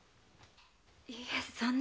いいえそんな。